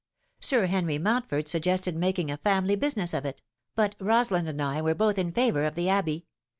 Sir Henry Mountford suggested making a family busi ness of it ; but Rosalind and I were both in favour of the Abbey.